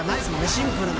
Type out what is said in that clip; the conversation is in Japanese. シンプルな。